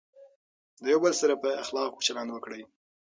د یو بل سره په اخلاقو چلند وکړئ.